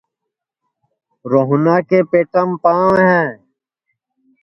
روہنا کے پیتام پانٚؤ ہے